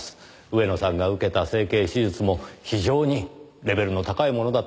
上野さんが受けた整形手術も非常にレベルの高いものだったそうです。